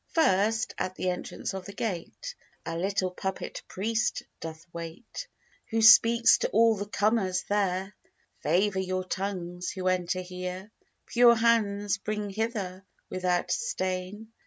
First, at the entrance of the gate, A little puppet priest doth wait, Who squeaks to all the comers there, 'Favour your tongues, who enter here. 'Pure hands bring hither, without stain.'